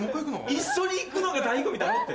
一緒に行くのが醍醐味だろって。